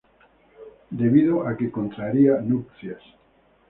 Debido a que contraería nupcias.